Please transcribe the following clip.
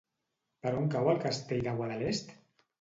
Per on cau el Castell de Guadalest?